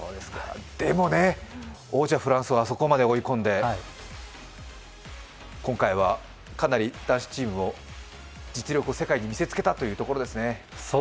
でも王者・フランスをあそこまで追い込んで、今回はかなり男子チームを実力を世界に見せつけたというところですね。